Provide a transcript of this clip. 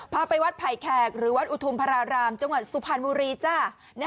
ไปวัดไผ่แขกหรือวัดอุทุมพระรารามจังหวัดสุพรรณบุรีจ้า